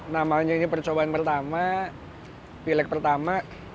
namanya ini percobaan pertama pileg pertama